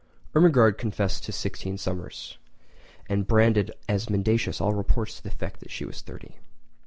Ermengarde confessed to sixteen summers, and branded as mendacious all reports to the effect that she was thirty.